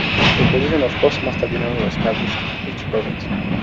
The position of Postmaster General was established in each province.